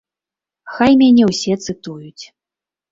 Хай мяне ўсе цытуюць.